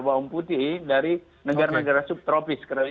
bawang putih dari negara negara subtropis